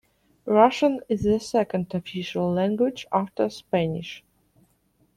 Russian is the second official language after Spanish.